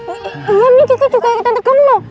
uya ini kiki juga yang ketenteng lo